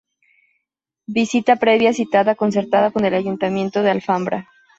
Visita previa cita concertada con el Ayuntamiento de Alfambra.